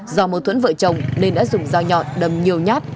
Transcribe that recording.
do mâu thuẫn vợ chồng nên đã dùng dao nhọn đầm nhiều nhát